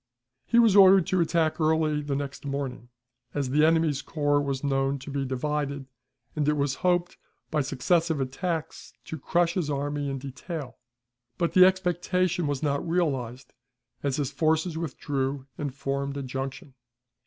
He was ordered to attack early the next morning, as the enemy's corps was known to be divided, and it was hoped by successive attacks to crush his army in detail; but the expectation was not realized, as his forces withdrew and formed a junction.